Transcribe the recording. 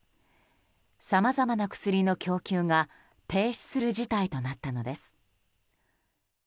さまざまな薬の供給が停止する事態となったのです。